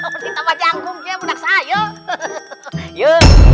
kita mau janggung ya mudah saya